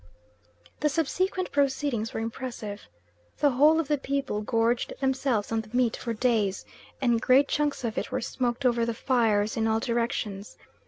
The subsequent proceedings were impressive. The whole of the people gorged themselves on the meat for days, and great chunks of it were smoked over the fires in all directions.